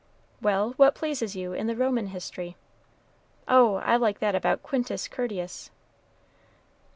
"Well, what pleases you in the Roman history?" "Oh, I like that about Quintus Curtius."